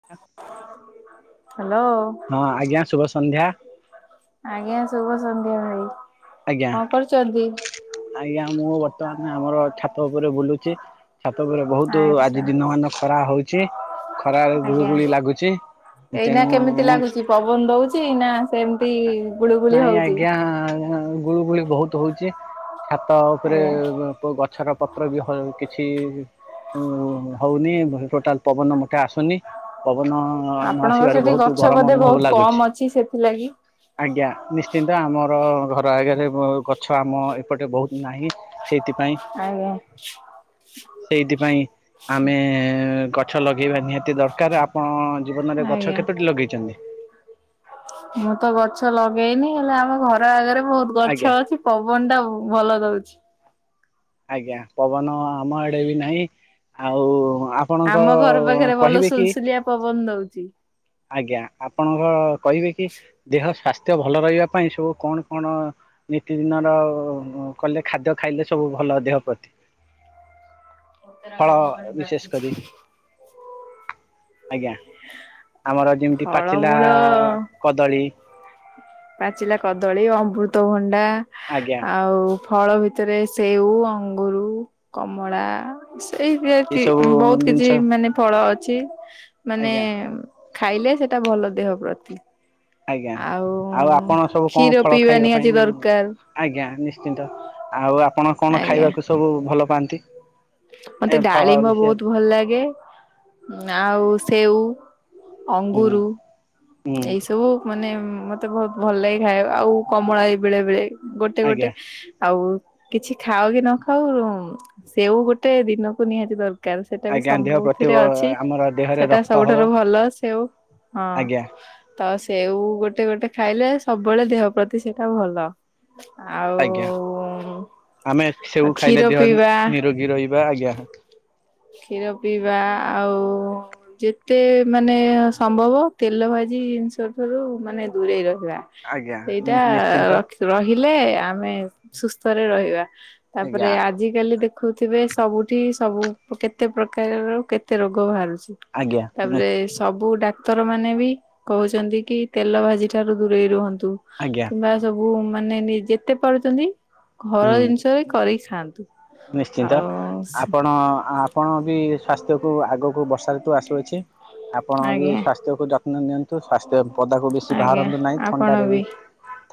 [inaudible] Hello. ହଁ ଆଜ୍ଞା ଶୁଭ ସନ୍ଧ୍ୟା। ଆଜ୍ଞା ଶୁଭ ସନ୍ଧ୍ୟା ଭାଇ ଆଜ୍ଞା କଣ କରୁଛନ୍ତି? ଆଜ୍ଞା ମୁଁ ବର୍ତ୍ତମାନ ଆମର ଛାତ ଉପରେ ବୁଲୁଚି। ଛାତ ଉପରେ ବହୁତୁ ଆଚ୍ଛା ଆଜି ଦିନ ମାନ ଖରା ହଉଛି ଖରାରେ ଗୁଳୁ ଆଜ୍ଞା। ଗୁଳି ଲାଗୁଛି। ଏଇନା ତେଣୁ କେମିତି ମୁଁ ଲାଗୁଛି ପବନ ଦଉଛି ନା ଆ ସେମିତି ଆ ଗୁଳୁଗୁଳି ନାଇଁ ହଉଛି? ଆଜ୍ଞା। ଆଉ ଗୁଳୁଗୁଳି ବହୁତ ହଉଚି। ଛାତ ଉପରେ ଆଜ୍ଞା ଗଛର ପତ୍ର ବି ହ କିଛି ଉ ହଉନି ଟୋଟାଲ ପବନ ମୋଠେ ଆସୁନି ପବନ ହଁ ନ ଆପଣଙ୍କର ଆସିବାରୁ ସେଠି ବହୁତୁ ଗଛ ଗରମ ବୋଧେ ଅନୁଭବ ବହୁତ କମ ଲାଗୁଛି। ଅଛି ସେଥିଲାଗି? ଆଜ୍ଞା ନିଶ୍ଚିନ୍ତ ଆମର ଘର ଆଗରେ ବ ଗଛ ଆମ ଏପଟେ ବହୁତୁ ନାହିଁ ସେଇଥିପାଇଁ। ଆଜ୍ଞା ସେଇଥିପାଇଁ ଆମେ ଗଛ ଲଗେଇବା ନିହାତି ଦରକାର ଆପଣ ଜୀବନରେ ଗଛ ଆଜ୍ଞା। କେତୋଟି ଲଗେଇଛନ୍ତି? ମୁଁ ତ ଗଛ ଲଗେଇନି ହେଲେ ଆମ ଘର ଆଗରେ ବହୁତ ଗଛ ଆଜ୍ଞା ଅଛି। ପବନ ଟା ଭଲ ଦଉଛି। ଆଜ୍ଞା ପବନ ଆମ ଆଡେ ବି ନାହିଁ ଆଉ ଆ ଆପଣଙ୍କ ଆମ ଘର ପାଖରେ ଭଲ କହିବେ କି ସୁଲସୁଲିଆ ପବନ ଦଉଛି। ଆଜ୍ଞା ଆପଣ କଣ କହିବେ କି ଦେହ ସ୍ୱାସ୍ଥ୍ୟ ଭଲ ରହିବା ପାଇଁ ସବୁ କଣ କଣ? ନିତିଦିନ ର କଲେ ଖାଦ୍ୟ ଖାଇଲେ ସବୁ ଭଲ ଦେହ ପ୍ରତି। କୋତରା ଫଳ ଗାଡିଆ ପାଣି ବିଶେଷ ବାଛି କରି ଆଜ୍ଞା। ଆମର ଯେମିତି ପାଚିଲା ଫଳମୂଳ କଦଳୀ। ପାଚିଲା କଦଳୀ, ଅମୃତଭଣ୍ଡା ଆଜ୍ଞା ଆଉ ଫଳ ଭିତରେ ସେଉ, ଅଙ୍ଗୁରୁ, କମଳା। ସେଇ ଭଳିଆ କି ଏସବୁ ବହୁତ ଜିନିଷ କିଛି ମାନେ ଫଳ ଅଛି ମାନେ। ଆଜ୍ଞା ଖାଇଲେ ସେଟା ଭଲ ଦେହ ପ୍ରତି। ଆଜ୍ଞା ଆଉ ଆପଣ ସବୁ କ୍ଷୀର କଣ ଫଳ ପିଇବା ଖାଇବା ନିହାତି ପାଇଁ ଦରକାର ଆଜ୍ଞା ନିଶ୍ଚିନ୍ତ ଆଉ ଆପଣ କଣ ଆଜ୍ଞା ଖାଇବାକୁ ସବୁ ଭଲ ପାଆନ୍ତି? ଏ ମତେ ଫଳ ଡାଳିମ୍ବ ବହୁତ ବିଷୟରେ ଭଲ ଲାଗେ ଆଉ ଆଜ୍ଞା। ସେଉ। ହୁଁ ଅଙ୍ଗୁରୁ ହୁଁ ଏଇ ସବୁ ମାନେ ମ ମତେ ବହୁତ ଭଲ ଲାଗେ ଖାଇଆକୁ ଆଉ କମଳା ବି ବେଳେ ବେଳେ ଗୋଟେ ଗୋଟେ ଆଜ୍ଞା ଆଉ କିଛି ଖାଅ କି ନ ଖାଅ ସେଉ ଗୋଟେ ଦିନକୁ ନିହାତି ଦରକାର। କାର ସେଟା ବି ଆଜ୍ଞା ଦେହ ପ୍ରତି ସବୁଥିରେ ଅଛି ଆମର ଦେହରେ ସେଟା ରକ୍ତ ହବ ସବୁଠାରୁ ଭଲ ସେଉ। ହଁ ଆଜ୍ଞା। ତ ସେଉ ଗୋଟେ ଗୋଟେ ଖାଇଲେ ସବୁବେଳେ ଦେହ ପ୍ରତି ସେଇଟା ଭଲ। ଆଜ୍ଞା ଆମେ ଆଉ କ୍ଷୀର ପିଇବା। ଏ ଆଜ୍ଞା। କ୍ଷୀର ପିଇବା ଆଉ ଯେତେ ମାନେ ସମ୍ଭବ ତେଲ ଭାଜି ଜିନିଷ ଠାରୁ ମାନେ ଦୂରେଇ ରହିବା। ଆଜ୍ଞା ସେଇଟା ନିଶ୍ଚିନ୍ତ। ରଖି ରହିଲେ ଆମେ ସୁସ୍ଥରେ ରହିବା। ଆଜ୍ଞା ତାପରେ ଆଜିକାଲି ଦେଖ ଦେଖୁଥିବେ ସବୁଠି ସବୁ କେତେ ପ୍ରକାରର କେତେ ରୋଗ ବାହାରୁଛି। ଆଜ୍ଞା ତାପରେ ସବୁ ଡାକ ଡାକ୍ତର ମାନେ ବି କହୁଛନ୍ତି କି ତେଲ ଭାଜି ଠାରୁ ଦୂରେଇ ରୁହନ୍ତୁ। ଆଜ୍ଞା। ବା ସବୁ ମାନେ ନି ଯେତେ ପାରୁୁଛନ୍ତି ହୁଁ। ଘର ଜିନିଷରେ କରିକି ଖାଆନ୍ତୁ। ନିଶ୍ଚିନ୍ତ, ଆଉ ଆପଣ ଆ ଆପଣ ବି ସ୍ଵାସ୍ଥ୍ୟକୁୁ ଆଗକୁ ବର୍ଷା ଋତୁ ଆସୁଅଛି ଆପଣ ବି ଆଜ୍ଞା। ସ୍ଵାସ୍ଥ୍ୟକୁ ଯତ୍ନ ନିଅ। ନ୍ତୁ ସ୍ଵାସ୍ଥ୍ୟ ପଦାକୁ ବେଶୀ ଆଜ୍ଞା ବାହାରନ୍ତୁ ନାହିଁ, ଆପଣ ଥଣ୍ଡାରେ ବି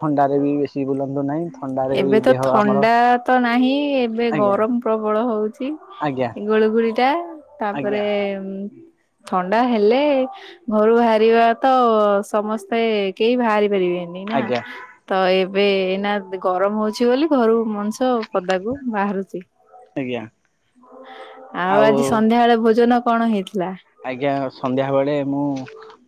ଥଣ୍ଡାରେ ବି ବେଶୀ ବୁଲନ୍ତୁ ବୁଲନାହିଁ ଥଣ୍ଡାରେ ଏବେ ବି ତ ଦେହ ଆମର ଥଣ୍ଡା ତ ନାହିଁ ଏବେ ଆଜ୍ଞା ଗରମ ପ୍ରବଳ ହଉଛି। ଆଜ୍ଞା। ଗୁଳୁଗୁଳି ଟା ଆଜ୍ଞା ତାପରେ ଥଣ୍ଡା ହେଲେ ଘରୁ ବାହାରିବା ତ ସମସ୍ତେ କେହି ବାହାରି ପାରିବେନି। ନି ନା ଆଜ୍ଞା ତ ଏବେ ନା ଗରମ ହଉଛି ବୋଲି ଘରୁ ମଣିଷ ତ ପଦାକୁ ବାହାରୁଚି। ଆଜ୍ଞା। ଆଉ ଆଜି ସନ୍ଧ୍ୟାବେଳେ ଭୋଜନ କଣ ହେଇଥିଲା? ଆଜ୍ଞା ସନ୍ଧ୍ୟାବେଳେ ମୁଁ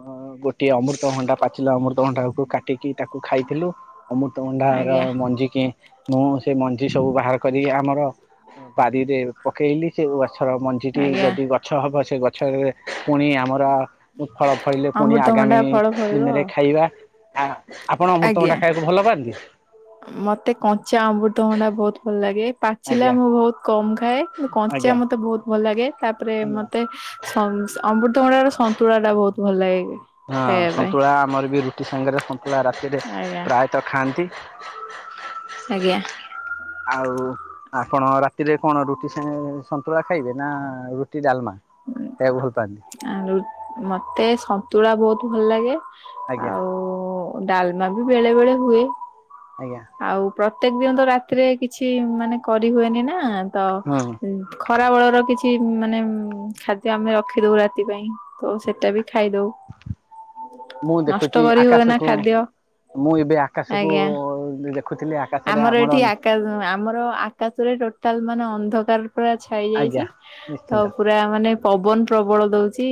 ଅ ଗୋଟିଏ ଅମୃତଭଣ୍ଡା ପାଚିଲା ଅମୃତଭଣ୍ଡାକୁ କାଟିକି ତାକୁ ଖାଇଥିଲୁ। ଅମୃତଭଣ୍ଡା ର ଆଜ୍ଞା ମଞ୍ଜିିକି ମୁଁ ସେ ମଞ୍ଜି ସବୁ ବାହାର କରି ଆମର ବାରିରେ ପକେଇଲି ସେ ଗଛର ମ ଞ୍ଜି ଟିି ଆଜ୍ଞା ଯଦି ଗଛ ହବ ସେ ଗଛରେ ପୁଣି ଆମର ଉ ଫଳ ଫଳିଲେ ପୁଣି ଅମୃତଭଣ୍ଡା ଆଗାମୀ ଫଳ ଫଳିବ ଦିନେରେ ଖାଇବା। ଆ ଆପଣ ଆଜ୍ଞା। ଅମୃତଭଣ୍ଡା ଖାଇ କୁ ଭଲ ପାଆନ୍ତି। ମତେ କଞ୍ଚା ଅମୃତଭଣ୍ଡା ବହୁତ ଭଲ ଲାଗେ ପାଚିଲା ଆଜ୍ଞା ମୁଁ ବହୁତ କମ ଖାଏ। କିନ୍ତୁ କଞ୍ଚା ଆଜ୍ଞା ମତେ ବହୁତ ଭଲ ଲାଗେ ତାପରେ ଆଜ୍ଞା। ମତେ ସମ୍ସ ଅମୃତଭଣ୍ଡା ର ସନ୍ତୁଳା ଟା ବହୁତ ଭଲ ଲାଗେ। ହଁ ଖାଇବା ପାଇଁ ସନ୍ତୁଳା ଆମର ବି ରୁଟି ସାଙ୍ଗେରେ ସନ୍ତୁଳା ରାତିରେ ଆଜ୍ଞା ପ୍ରାୟ ତ ଖାଆନ୍ତି। ଆଜ୍ଞା। ଆଉ ଆପଣ ରାତିରେ କଣ ରୁଟି ସାଙ୍ଗେରେ ସନ୍ତୁଳା ଖାଇବେ ନା ରୁଟି ଡାଲମା? ଖାଇବାକୁ ଭଲ ପାଆନ୍ତି? ଆଳୁ ମତେ ସନ୍ତୁଳା ବହୁତ ଭଲ ଲାଗେ ଆଜ୍ଞା ଆଉ ଡାଲମା ବି ବେଳେବେଳେ ହୁଏ। ଆଜ୍ଞା। ଆଉ ପ୍ରତ୍ୟେକ ଦିନ ତ ରାତିରେ କିଛି ମାନେ କରିହୁଏନି ନା ତ ହୁଁ। ଖରାବେଳର କିଛି ମାନେ ଖାଦ୍ୟ ଆମେ ରଖିଦଉ ରାତି ପାଇଁ। ତ ସେଟା ବି ଖାଇଦଉ ମୁଁ ଦେଖୁଛି ନଷ୍ଟ କରି ହୁଏନା ଆକାଶକୁ ଖାଦ୍ୟ। ମୁଁ ଏବେ ଆକାଶକୁ ଆଜ୍ଞା ଦେଖୁଥିଲି ଆକାଶରେ ଆମର କାଶ ଆମର ଆକାଶରେ ଟୋଟାଲ ମାନେ ଅନ୍ଧକାର ପୁରା ଛାଇ ଆଜ୍ଞା ଯାଇଛି ତ ନିଶ୍ଚିନ୍ତ ପୁ ମାନେ ପବନ ପ୍ରବଳ ଦଉଛି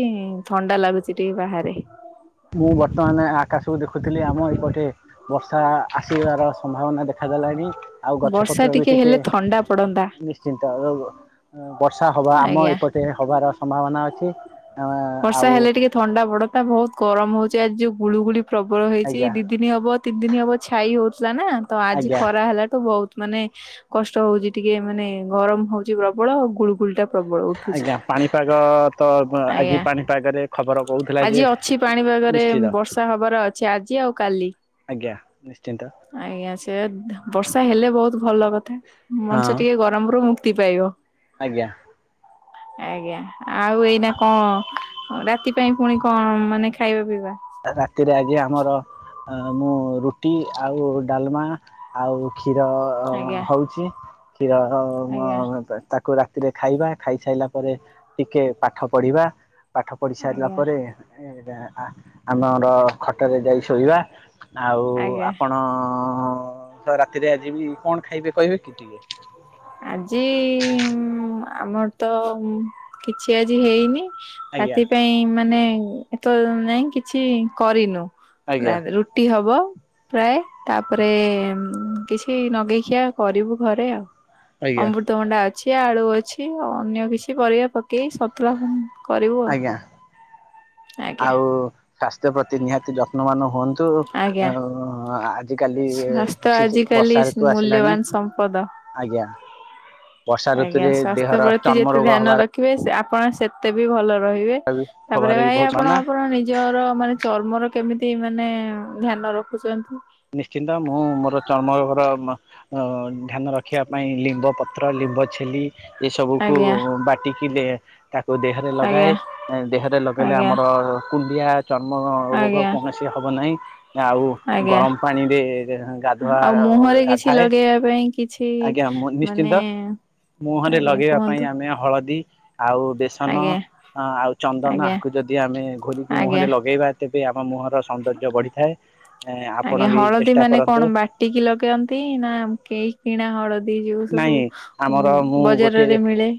ଥଣ୍ଡା ଲାଗୁଛି ଟିକେ ବାହାରେ। ମୁଁ ବର୍ତ୍ତମାନ ଆକାଶକୁ ଦେଖୁଥିଲି ଆମ ଏଇପଟେ ବର୍ଷା ଆସିବାର ସମ୍ଭାବନା ଦେଖାଦେଲାଣି। ଆଉ ଗଛ ବର୍ଷା ପତ୍ର ବି ଟିକେ ହେଲେ ଥଣ୍ଡା ପଡନ୍ତା ନିସ୍ ଶ୍ଚିନ୍ତ ବର୍ଷା ହବା ଆମ ଆଜ୍ଞା ଏପଟେ ହବାର ସମ୍ଭାବନା ଅଛି। ଅ ବର୍ଷା ଆଉ ହେଲେ ଟିକେ ଥଣ୍ଡା ପଡତା ବହୁତୁ ଗରମ ହଉଚି ଆଜି ଉ ଗୁଳୁଗୁଳି ପ୍ରବଳ ହେଇଚି ଆଜ୍ଞା ଦି ଦିନି ହବ ତିନି ଦିନି ହବ ଛାଇ ହଉଥିଲା ନା ତ ଆଜି ଆଜ୍ଞା ଖରା ହେଲାଠୁ ବହୁ ମାନେ କଷ୍ଟ ହଉଚି ଟିକେ ମାନେ ଗରମ ହଉଚି ପ୍ରବଳ ଆଉ ଗୁଳୁଗୁଳି ଟା ପ୍ରବଳ ଉ ଆଜ୍ଞା ପାଣିପାଗ ତ ମ ଆଜି ଆଜ୍ଞା। ପାଣିପାଗରେ ଖବର କହୁଥିଲା ଆଜି ଯେ ଅଛି ପାଣିପାଗରେ ନିଶ୍ଚିତ। ବର୍ଷା ହବାର ଅଛି ଆଜି ଆଉ କାଲି। ଆଜ୍ଞା ନିଶ୍ଚିନ୍ତ। ଆଜ୍ଞା ସେ ବର୍ଷା ହେଲେ ବହୁତୁ ଭଲ କଥା ହଁ ମଣିଷ ଟିକେ ଗ ଗରମ ରୁ ମୁକ୍ତି ପାଇବ। ଆଜ୍ଞା। ଆଜ୍ଞା ଆଉ ଏଇନା କଣ ରାତି ପାଇଁ ପୁଣି କଣ ମାନେ ଖାଇବା ପିଇବା? ରାତିରେ ଆଜି ଆମର ଆଁ-ମୁଁ ରୁଟି ଆଉ ଡାଲମା ଆଉ କ୍ଷୀର ଆଜ୍ଞା ହଉଚି କ୍ଷୀର ଆଜ୍ଞା ମ-ତା-ତା କୁ ରାତିରେ ଖାଇବା ଖାଇସାଇଲା ପରେ ଟିକେ ପାଠ ପଢିବା। ପାଠ ପଢି ସାରିଲା ଆଜ୍ଞା ପରେ ଆମର ଖଟରେ ଯାଇ ଶୋଇବା। ଆଉ ଆଜ୍ଞା। ଆପଣ ତ ରାତିରେ ଆଜି ବି କଣ ଖାଇବେ କହିବେ କି ଟିକେ? ଆଜି ଉଁ ଆମର୍ ତ କିଛି ଆଜି ହେଇନି। ଆଜ୍ଞା ରାତି ପାଇଁ ମାନେ ଏତ ନାଇଁ କିଛି କରିନୁ ଆଜ୍ଞା ରା ରୁ ଟି ହବ। ପ୍ରାଏ ତାପରେ କିଛି ନଗେଇଖିଆ କରିବୁ ଘରେ ଆଉ। ଆଜ୍ଞା। ଅମୃତଭଣ୍ଡା ଅଛି ଆଳୁ ଅଛି ଅନ୍ୟ କିଛି ପରିବା ପକେଇ ସତୁଳା ଆଜ୍ଞା ଆଜ୍ଞା ଆଉ ସ୍ୱାସ୍ଥ୍ୟ ପ୍ରତି ନିହାତି ଯତ୍ନବାନ ହୁଅ ତୁ ଆଜ୍ଞା ଆଉ ଆଜିିକାଲି ସ୍ୱାସ୍ଥ୍ୟ ଶି ଶି ଆଜିକାଲି ବର୍ଷା ଋତୁ ଆସିଲାଣି। ମୂଲ୍ୟବାନ ସମ୍ପଦ। ଆଜ୍ଞା ବର୍ଷା ଋତୁରେ ଦେହର ଚର୍ମ ରୋଗ ହବାର ଦେଖିବେ ଆପଣ ସେତେ ବି ଭଲ ରହିବେ ତାପରେ ହବାର ବି ଭାଇ ବହୁତ ଆପଣ ମନା ଆପଣ ନି ଜର ମାନେ ଚର୍ମର କେମିତି ମାନେ ଧ୍ୟାନ ରଖୁଚନ୍ତି? ନିଶ୍ଚିନ୍ତ ମୁଁ ମୋର ଚର୍ମ ରୋଗର ମ ଧ୍ୟାନ ରଖିବା ପାଇଁ ଲିମ୍ବ ପ ପତ୍ର ଲିମ୍ବ ଛେଲି ଏସବୁକୁ ଆଜ୍ଞା ବାଟିକି ଦେ ତାକୁ ଦେହରେ ଲଗାଏ। ଆଜ୍ଞା ଦେହରେ ଲଗେଇଲେ ଆଜ୍ଞା ଆମର କୁଣ୍ଡିଆ ଚର୍ମ ରୋଗ ଆଜ୍ଞା କୌଣସି ହବ ନାହିଁ। ଆଉ ଆଜ୍ଞା ଗରମ୍ ପାଣିରେ ଗାଧୁଆ ଆଉ ମୁହଁରେ କିଛି ଗାଧାଏ ଲଗେଇବା ପାଇଁ କିଛି ଆଜ୍ଞା ମୁ ନିଶ୍ଚିନ୍ତ ମାନେ ମୁହଁରେ ଆଜ୍ଞା ଲଗେଇବା ପାଇଁ କୁହନ୍ତୁ ଆମେ ହଳଦୀ ଆଉ ବେସନ ଆଜ୍ଞା ଆ ଆଉ ଚନ୍ଦନ ଆଜ୍ଞା ଆକୁ ଯଦି ଆମେ ଘୋରିକି ଆଜ୍ଞା। ମୁହଁରେ ଲଗେଇବା ତେବେ ଆମ ମୁହଁର ସୌନ୍ଦର୍ଯ୍ୟ ବଢିଥାଏ। ଏଁ ଆପ୍ ଜ୍ଞା ହଳଦୀ ମାନେ କଣ୍ ବାଟିକି ଲଗାଇନ୍ତି ନା କେହି କିଣା ହଳଦୀ ସେଇ ଯୋଗୁ ସବୁ ନାଇଁ ଉ ଆମର ମୁଁ ଗୋଟେ ବଜାରରେ ମିଳେ।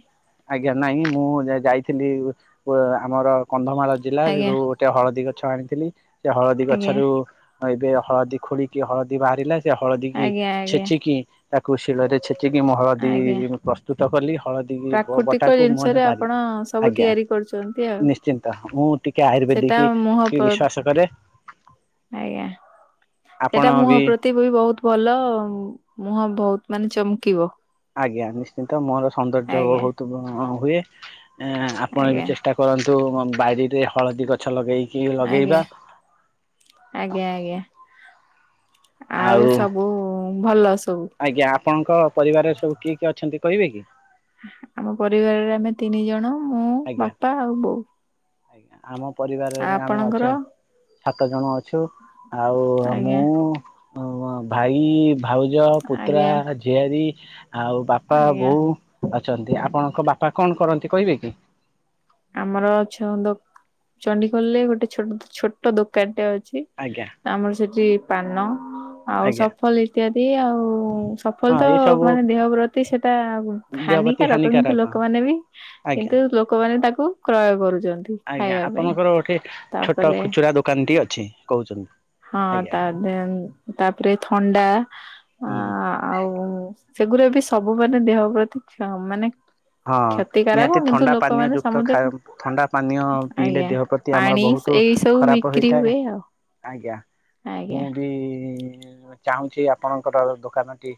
ଆଜ୍ଞା ନାଇଁ ମୁଁ ଯାଇଥିଲି ବ‌ ଆମର କନ୍ଧମାଳ ଜିଲ୍ଲା ଆଜ୍ଞା ସେରୁ ଟେ ହଳଦୀ ଗଛ ଆଣିଥିଲି ସେ ହଳଦୀ ଆଜ୍ଞା ଗଛରୁ ଏବେ ହଳଦୀ ଖୋଳିକି ହଳଦୀ ବାହାରିଲା। ଯେ ହଳଦୀ କି ଆଜ୍ଞା ଆଜ୍ଞା। ଛେଚିକି ତାକୁ ଶିଳରେ ଚିକି ମୁଁ ହଳଦୀ ଆଜ୍ଞା ପ୍ରସ୍ତୁତ କଲି ହଳଦୀ ପ୍ରାକୃତିକ ବଟାକୁ ମୁହଁରେ ଜିନିଷରେ ଆପଣ ମାରିଲି ସବୁ ଆଜ୍ଞା। ତିଆରି କରୁଛନ୍ତି ଆଉ। ନିଶ୍ଚିନ୍ତ ମୁଁ ଟିକେ ସେଟା ଆୟୁର୍ବେଦିକି ମୁହଁ କି ପ୍ର ବିଶ୍ଵାସ କରେ। ଆଜ୍ଞା ସେଟା ମୁହଁ ପ୍ର ତି ବି ବି ବହୁତ ଭଲ ମୁହଁ ବହୁତ୍ ମାନେ ଚମ୍କିବ। ଆଜ୍ଞା ନିଶ୍ଚିନ୍ତ ମୋର ସୌନ୍ଦର୍ଯ୍ୟ ଆଜ୍ଞା। ବହୁତୂ ହଁ ହୁଏ ଏଁ ଆପଣ ବି ଆଜ୍ଞା ଚେଷ୍ଟା କରନ୍ତୁ ହଁ ବାଡ଼ିରେ ହଳଦୀ ଗଛ ଲଗେଇକି ଆଜ୍ଞା ଲଗେଇବା। ଆଜ୍ଞା ଆଜ୍ଞା ଆଉ ସବୁ ଭଲ ସବୁ। ଆଜ୍ଞା ଆପଣଙ୍କ ପରିବାର ସବୁ କିଏ କିଏ ଅଛନ୍ତି କହିବେ କି? ଆମ ପରିବାରରେ ଆମେ ତିନି ଜଣ ମୁଁ ଆଜ୍ଞା ବାପା ଆଉ ବୋଉ। ଆମ ଆ ପରିବାରରେ ଆମେ ଆପଣଙ୍କର ଅଛୁ ସାତ ଜଣ ଅଛୁ। ଆଉ ଆଜ୍ଞା ମୁଁ ଅମଁ ଭାଇ ଭାଉଜ ପୁତ୍ରା ଆଜ୍ଞା ଝିଆରୀ ଆଉ ବାପା ଆଜ୍ଞା ବୋଉ ଅଛନ୍ତି, ଆପଣଙ୍କ ବାପା କଣ୍ କରନ୍ତି କହିବେ କି? ଆମର ଛନ୍ଦ ଚଣ୍ଡିଖୋଲରେ ଗୋଟେ ଛୋଟ ଛୋଟ ଦୋକାନ୍ ଟେ ଅଛି। ଆଜ୍ଞା। ଆମର୍ ସେଠି ପାନ ଆଉ ଆଜ୍ଞା ସଫଲ୍ ଇତ୍ୟାଦି ଆଉ ସଫଲ୍ ହଁ ତ ଏଇ ସବୁ ମାନେ ଦେହ ପ୍ରତି ସେଟା ଦେହ ପ୍ରତି ହାନିକାରକ କିନ୍ତୁ ଲୋକମାନେ ବି ଆଜ୍ଞା। କିନ୍ତୁ ଲୋକମାନେ ତାକୁ କ୍ରୟ କରୁଚନ୍ତି। ଆଜ୍ଞା ଆପଣଙ୍କର ଗୋଟେ ଛୋଟ ଖୁଚୁରା ଦୋକାନ୍ ଟି ଅଛି କହୁଚନ୍ତି। ହଁ ତା ଦେ ତାପ୍ରେ ଥଣ୍ଡା ଅ ହୁଁ। ଆଉ ସେଗୁରା ବି ସବୁ ମାନେ ଦେହ ପ୍ରତି କ୍ଷ ମାନେ ହଁ କ୍ଷତିକାରକ ନିହାତି କିନ୍ତୁ ଥଣ୍ଡା ପାନୀୟ ଲୋକମାନେ ଯୁକ୍ତ ସମସ୍ତେ ଖୟ ଥଣ୍ଡା ପାନୀୟ ପିଇଲେ ଆଜ୍ଞା ଦେହ ପ୍ର ତି ଆମର ପାଣି ବହୁତୁ ଏଇ ସବୁ ଖରାପ ବିକ୍ରି ହେଇଥାଏ। ହୁଏ ଆଉ ଆଜ୍ଞା ମୁଁ ଆଜ୍ଞା ବି ଚାହୁଁଚି ଆପଣଙ୍କର ଦୋକାନଟି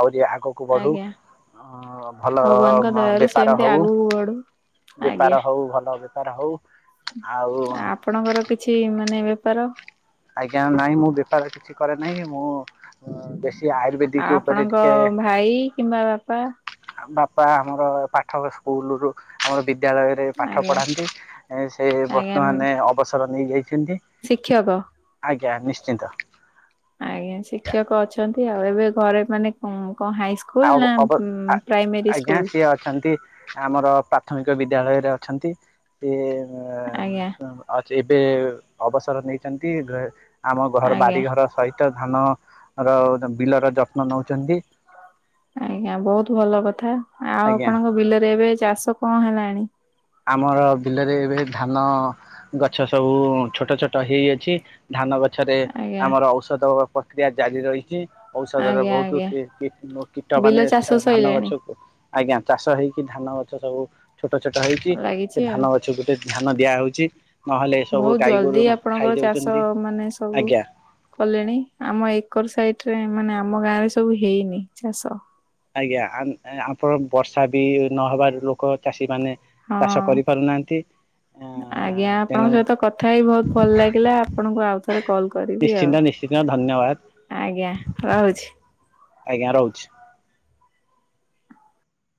ଆଉରି ଆଗ ବଢୁ ଆଜ୍ଞା ଅ ଭଲ ଭଗବାନଙ୍କ ଦୟାରୁ ବେପାର ସେମିତି ହଉ ଆଗକୁ ବଢୁ ଆଜ୍ଞା। ବେପାର ହ ହଉ ଭଲ ବେପାର ହଉ। ଆଉ ଆ ଆପଣଙ୍କର କିଛି ମାନେ ବେପାର? ଆଜ୍ଞା ନାଇଁ ମୁଁ ବେପାର କିଛି କରେ ନେଇଁ ମୁଁ ବେଶୀ ଆୟୁର୍ବେଦିକ ଉପରେ ଆପଣଙ୍କ ଟିକେ ଭାଇ କିମ୍ବା ବାପା ବାପା ଆମର ପାଠ ସ୍କୁଲ ରୁ ଆମର ବିଦ୍ୟାଳୟରେ ପାଠ ଆଜ୍ଞା ପଢ଼ାନ୍ତି ସେ ଆଜ୍ଞା ବର୍ତ୍ତମାନ ଅବସର ନେଇଯାଇଛନ୍ତି। ଶିକ୍ଷକ। ଆଜ୍ଞା ନିଶ୍ଚିନ୍ତ। ଆଜ୍ଞା ଶିକ୍ଷକ ଅଛନ୍ତି ଆଉ, ଏବେ ଘରେ ମାନେ କଣ କଣ ହାଇ ଆ ଅବ ଆଜ୍ଞା ସିଏ ଅଛନ୍ତି। ଆମର ପ୍ରାଥମିକ ବିଦ୍ୟାଳୟରେ ଅଛନ୍ତି ସିଏ ଆଜ୍ଞା [unintelligible] ଅଛି ଏବେ ଅବସର ନେଇଛନ୍ତି ଆମ ଘର ଆଜ୍ଞା ବାରିଘର ସହି ଧାନ ର ବିଲର ଯତ୍ନ ନଉଛନ୍ତି। ଆଜ୍ଞା ବହୁତ ଭଲ କଥା ଆଉ ଆଜ୍ଞା। ଆପଣଙ୍କ ବିଲରେ ଏବେ ଚାଷ କଁ ହେଲାଣି? ଆମର ବିଲରେ ଏବେ ଧାନ ଗଛ ସବୁ ଛୋଟ ଛୋଟ ହେଇଅଛି। ଧାନ ଗଛରେ ଆଜ୍ଞା ଆମର ଔଷଧ ପ୍ରକ୍ରିୟା ଜାରି ରହିଛି। ଔଷଧ ର ଆଜ୍ଞା ବହୁତ ଆଜ୍ଞା କି କୀଟ ବିଲ ମାନେ ଚାଷ ଧାନ ଗଛ ସଇଲାଣି କୁ ଆଜ୍ଞା ଚାଷ ହେଇକି ଧାନ ଗଛ ସବୁ ଛୋଟ ଛୋଟ ହେଇ ଲାଗିଛି ସେ ଆଉ ଧାନ ଗଛକୁ ଗୋଟେ ଧ୍ୟାନ ଦିଆ ହଉଚି। ବହୁତ ଜଲଦି ଆପଣଙ୍କର ଚାଷ ମାନେ ସବୁ ଆଜ୍ଞା କଲେଣି ଆମ ଏକର ସାଇଟ ରେ ମାନେ ଆମ ଗାଁ ରେ ସବୁ ହେଇନି ଚାଷ। ଆଜ୍ଞା ଆମ ଆପଣ ବର୍ଷା ବି ନହେବାରୁ ଲୋକ ଚାଷୀ ମାନେ ଚାଷ କରିପାରୁନାହାନ୍ତି। ହଁ [inaudible] ଆଜ୍ଞା ତେଣୁ ଆପଣଙ୍କ ସହିତ କଥା ହେଇ ବହୁତ ଭଲ ଲାଗିଲା ଆପଣଙ୍କୁ ଆଉ ଥରେ କଲ କରିବି ଆଉ। ନିଶ୍ଚିତ ଧନ୍ୟ ଧନ୍ୟବାଦ। ଆଜ୍ଞା ରହୁଛି। ଆଜ୍ଞା ରହୁଛି।